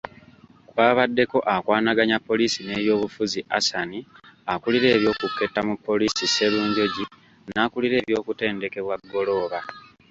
Kwabaddeko akwanaganya poliisi n'ebyobufuzi, Asan, akulira eby'okuketta mu poliisi, SSerunjogi, n'akulira eby'obutendekebwa Ggoloba.